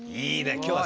今日はさ